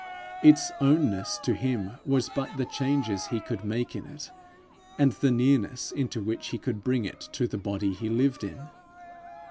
Its ownness to him was but the changes he could make in it, and the nearness into which he could bring it to the body he lived in.